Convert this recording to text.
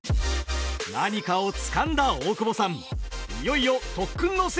何かをつかんだ大久保さん！